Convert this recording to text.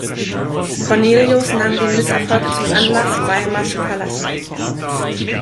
Cornelius nahm den Misserfolg zum Anlass, Weimar zu verlassen.